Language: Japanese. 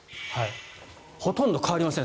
ほとんど変わりません。